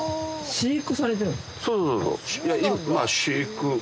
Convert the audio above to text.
飼育